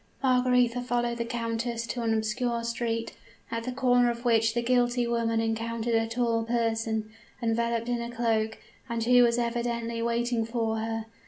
"Margaretha followed the countess to an obscure street, at the corner of which the guilty woman encountered a tall person, enveloped in a cloak, and who was evidently waiting for her.